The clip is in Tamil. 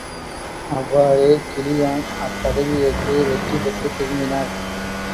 அவ்வாறே, கிளியான் அப்பதவியேற்று வெற்றி பெற்றுத் திரும்பினர்.